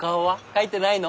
描いてないの？